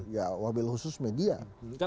ya wabil khusus media